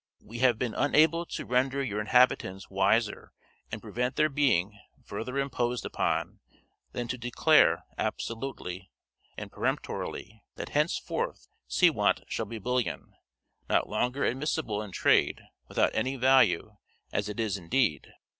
"We have been unable to render your inhabitants wiser, and prevent their being, further imposed upon, than to declare, absolutely and peremptorily, that henceforward seawant shall be bullion not longer admissable in trade, without any value, as it is indeed.